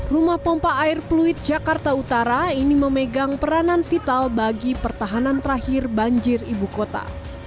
rumah pompa air fluid jakarta utara ini memegang peranan vital bagi pertahanan terakhir banjir ibu kota